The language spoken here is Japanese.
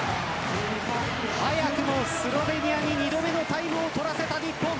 早くもスロベニアに２度目のタイムを取らせた日本。